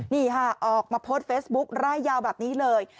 นี่ค่ะออกมาโพสต์เฟซบุ๊คร่ายยาวแบบนี้เลย